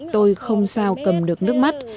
tôi không sao cầm được nước mắt